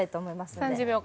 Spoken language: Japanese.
３０秒間。